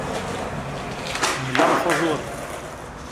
Ḥemmleɣ taẓuṛi.